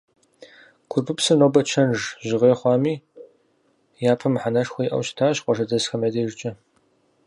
Курпыпсыр нобэ чэнж, жьгъей хъуами, япэм мыхьэнэшхуэ иӏэу щытащ къуажэдэсхэм я дежкӏэ.